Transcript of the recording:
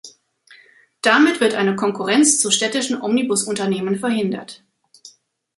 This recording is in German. Damit wird eine Konkurrenz zu städtischen Omnibusunternehmen verhindert.